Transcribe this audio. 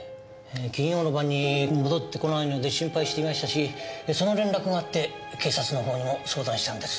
金曜の晩に戻ってこないので心配していましたしその連絡があって警察のほうにも相談したんです。